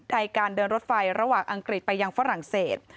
ในการเดินรถไฟระหว่างอังกฤษไปยังฝรั่งเศส